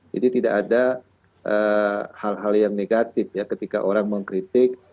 jadi tidak ada hal hal yang negatif ya ketika orang mengkritik